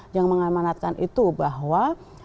yang mengamanatkan itu bahwa